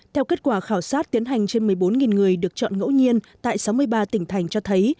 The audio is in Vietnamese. theo kết quả khảo sát tiến hành trên một mươi bốn người được chọn ngẫu nhiên tại sáu mươi ba tỉnh thành cho thấy